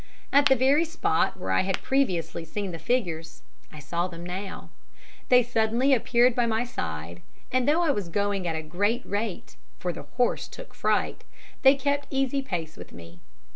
At the very spot, where I had previously seen the figures, I saw them now. They suddenly appeared by my side, and though I was going at a great rate for the horse took fright they kept easy pace with me.